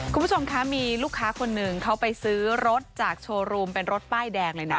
คุณผู้ชมคะมีลูกค้าคนหนึ่งเขาไปซื้อรถจากโชว์รูมเป็นรถป้ายแดงเลยนะ